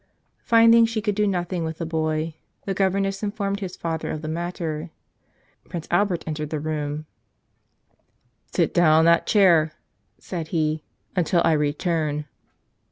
Finding she could do nothing with the boy, the gov¬ erness informed his father of the matter. Prince Al¬ bert entered the room. "Sit down on that chair," said he, "until I return."